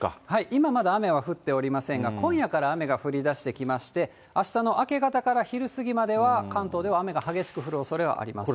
今、まだ雨は降っておりませんが、今夜から雨が降りだしてきまして、あしたの明け方から昼過ぎまでは、関東では雨が激しく降るおそれはあります。